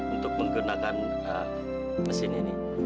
untuk menggunakan mesin ini